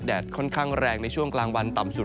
ค่อนข้างแรงในช่วงกลางวันต่ำสุด